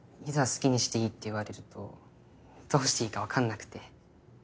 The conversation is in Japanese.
好きにしていいって言われるとどうしていいかわからなくて。